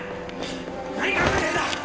何考えてんだ！